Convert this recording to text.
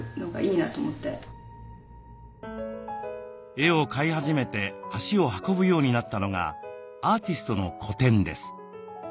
絵を買い始めて足を運ぶようになったのがアーティストの個展です。